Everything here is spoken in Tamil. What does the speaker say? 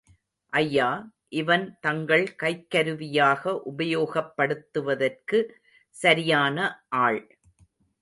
ஐயா, இவன் தங்கள் கைக்கருவியாக உபயோகப் படுத்துவதற்க்கு சரியான ஆள்.